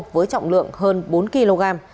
với trọng lượng hơn bốn kg